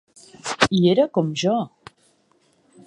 I era com jo!